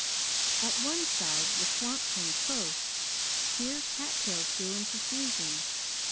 At one side the swamp came close, here cattails grew in profusion.